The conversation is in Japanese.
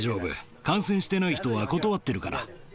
感染してない人は断ってるから。